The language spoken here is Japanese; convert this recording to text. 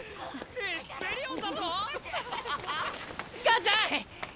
母ちゃん！